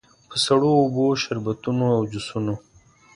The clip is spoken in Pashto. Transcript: په سړو اوبو، شربتونو او جوسونو.